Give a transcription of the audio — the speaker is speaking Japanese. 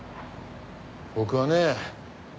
僕はね